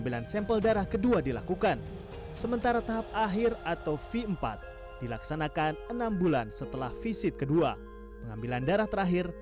bela negara situasi lagi perang